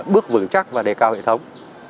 bước vững chắc và đề cao hệ thống